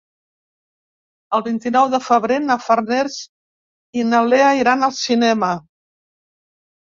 El vint-i-nou de febrer na Farners i na Lea iran al cinema.